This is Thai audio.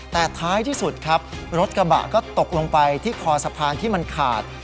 แต่ท้ายที่สุดครับรถกระบะก็ตกลงไปที่คอสะพานที่มันขาด